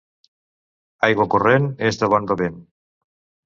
Aigua corrent és de bon bevent.